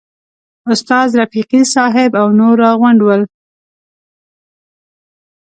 استاد رفیقي صاحب او نور راغونډ ول.